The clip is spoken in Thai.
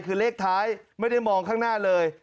คือเลขท้ายไม่ได้มองข้างหน้าเลย